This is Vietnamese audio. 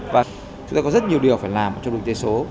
và chúng ta có rất nhiều điều phải làm trong kinh tế số